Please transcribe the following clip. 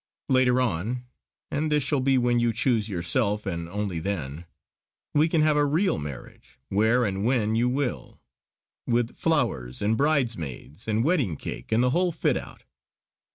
Later on and this shall be when you choose yourself and only then we can have a real marriage, where and when you will; with flowers and bridesmaids and wedding cake and the whole fit out.